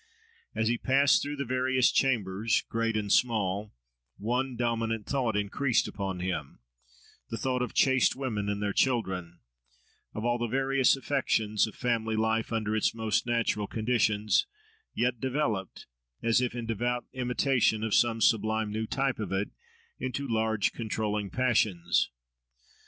As he passed through the various chambers, great and small, one dominant thought increased upon him, the thought of chaste women and their children—of all the various affections of family life under its most natural conditions, yet developed, as if in devout imitation of some sublime new type of it, into large controlling passions.